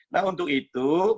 nah untuk itu